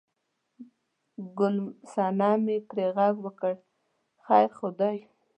ګل صنمې پرې غږ وکړ: خیر خو دی؟